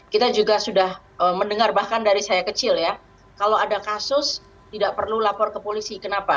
kita juga sudah mendengar bahkan dari saya kecil ya kalau ada kasus tidak perlu lapor ke polisi kenapa